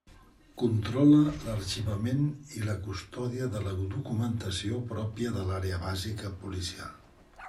Controla l'arxivament i la custòdia de la documentació pròpia de l'Àrea Bàsica Policial.